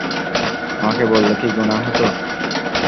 আমাকে বললে কি গুনাহ হত?